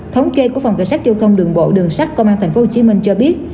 thống kê của phòng cảnh sát châu công đường bộ đường sắc công an tp hcm cho biết